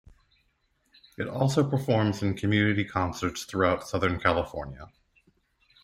It also performs in community concerts throughout Southern California.